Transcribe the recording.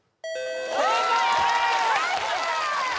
正解です！